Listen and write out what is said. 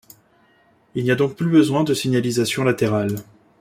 Il n'y a donc plus besoin de signalisation latérale.